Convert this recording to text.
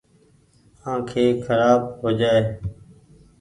آنکي کرآب هوجآئي ۔